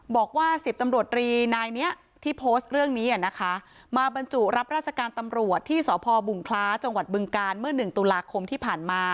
บอกว่า๑๐ตำรวจรีนายนี้ที่โพสต์เรื่องนี้นะคะมาบรรจุรับราชการตำรวจที่สพบุงคล้าจังหวัดบึงการเมื่อ๑ตุลาคมที่ผ่านมา